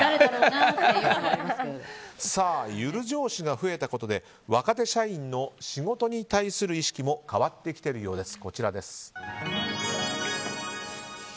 ゆる上司が増えたことで若手社員の仕事に対する意識も変わってきているようです。